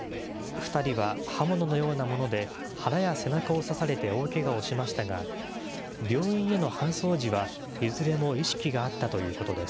２人は刃物のようなもので腹や背中を刺されて大けがをしましたが、病院への搬送時はいずれも意識があったということです。